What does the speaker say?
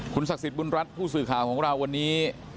ศักดิ์สิทธิบุญรัฐผู้สื่อข่าวของเราวันนี้